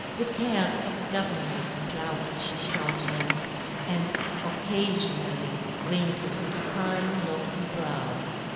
The cares of govern ment clouded his countenance, and occafionally wrinkled his fine lofty brow.